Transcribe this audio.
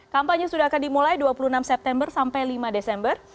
kampanye sudah akan dimulai dua puluh enam september sampai lima desember